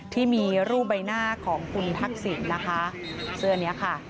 ที่มีรูปใบหน้าของคุณทักษิณนะคะเสื้อนี้ค่ะ